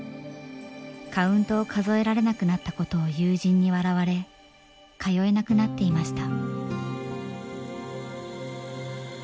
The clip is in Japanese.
カウントを数えられなくなったことを友人に笑われ通えなくなっていました。